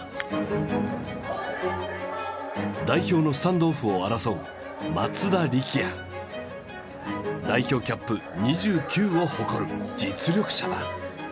代表のスタンドオフを争う代表キャップ２９を誇る実力者だ。